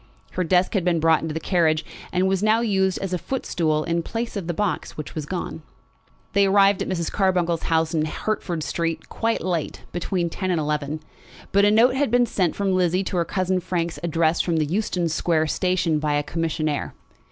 Her desk had been brought into the carriage and was now used as a foot stool in place of the box which was gone. They arrived at Mrs. Carbuncle's house in Hertford Street quite late, between ten and eleven; but a note had been sent from Lizzie to her cousin Frank's address from the Euston Square station by a commissionaire.